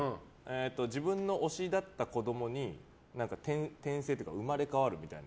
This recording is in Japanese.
自分の推しだった子供に生まれ変わるみたいな。